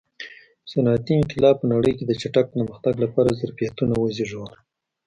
صنعتي انقلاب په نړۍ کې د چټک پرمختګ لپاره ظرفیتونه وزېږول.